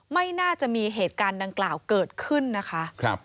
ไม่น่าจะมีเหตุการณ์ดังกล่าวเกิดขึ้นนะคะ